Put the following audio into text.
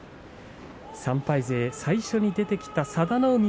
３敗勢最初に出てきた佐田の海。